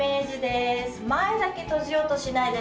前だけ閉じようとしないでね。